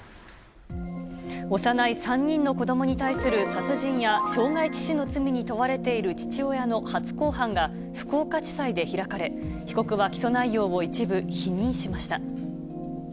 幼い３人の子どもに対する殺人や傷害致死の罪に問われている父親の初公判が、福岡地裁で開かれ、被告は起訴内容を一部否認しました。